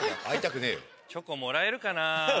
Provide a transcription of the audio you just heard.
チョコもらえるかな。